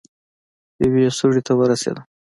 يوې سوړې ته ورسېدم.